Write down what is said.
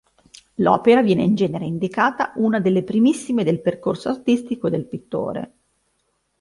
L'opera viene in genere indicata una delle primissime nel percorso artistico del pittore.